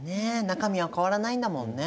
中身は変わらないんだもんね。